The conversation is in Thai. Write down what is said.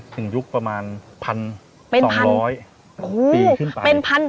ยุคประมาณ๑๒๐๐ปีขึ้นไป